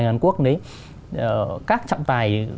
người hàn quốc đấy các trọng tài